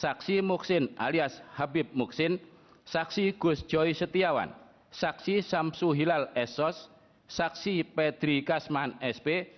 saksi muksin alias habib muksin saksi gus joy setiawan saksi samsu hilal esos saksi petri kasman sp